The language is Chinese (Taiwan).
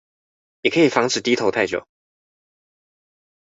也可以防止低頭太久